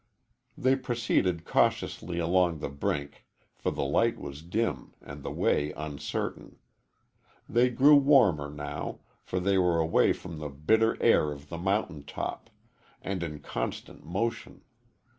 They proceeded cautiously along the brink for the light was dim and the way uncertain. They grew warmer now, for they were away from the bitter air of the mountain top, and in constant motion.